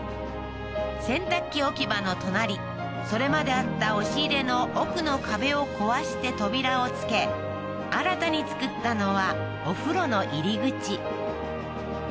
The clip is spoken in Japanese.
洗濯機置き場の隣それまであった押し入れの奥の壁を壊して扉をつけ新たに作ったのはお風呂の入り口